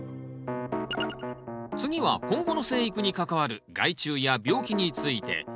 次は今後の生育に関わる害虫や病気について。